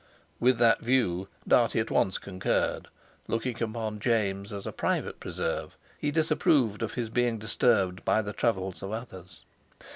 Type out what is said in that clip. With that view Dartie at once concurred; looking upon James as a private preserve, he disapproved of his being disturbed by the troubles of others.